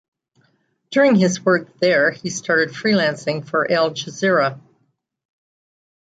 During his work there, he started freelancing for Al Jazeera.